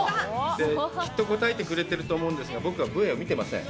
きっと答えてくれていると思いますが、僕はＶを見てません。